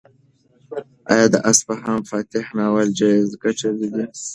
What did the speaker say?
ایا د اصفهان فاتح ناول جایزه ګټلې ده؟